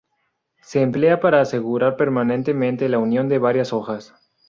Se emplea para asegurar permanentemente la unión de varias hojas.